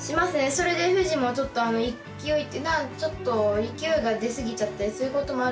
それでフジもちょっと勢いちょっと勢いが出過ぎちゃったりそういうこともあるし。